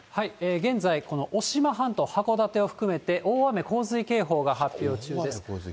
現在、この渡島半島、函館を含めて大雨洪水警報が発表中です。